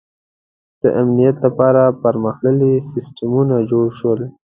• د امنیت لپاره پرمختللي سیستمونه جوړ شول.